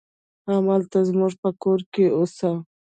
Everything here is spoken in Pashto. همالته زموږ په کور کې اوسه.